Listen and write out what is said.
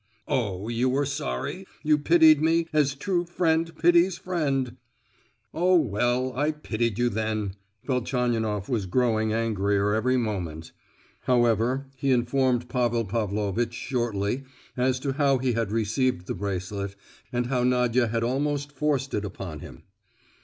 "Oh! you were sorry—you pitied me, as true friend pities friend!" "Oh, well, I pitied you, then!" Velchaninoff was growing angrier every moment. However, he informed Pavel Pavlovitch shortly as to how he had received the bracelet, and how Nadia had almost forced it upon him.